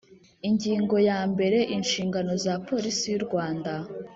Ingingo ya mbere Inshingano za Polisi y urwanda